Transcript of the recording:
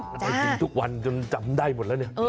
ทำไมกินทุกวันจนจำได้หมดแล้วเนี่ย